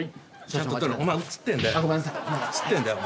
お前映ってんだよ。